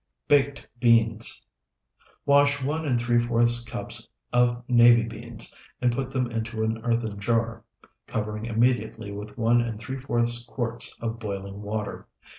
BAKED BEANS Wash one and three fourths cups of navy beans and put them into an earthen jar, covering immediately with one and three fourths quarts of boiling water.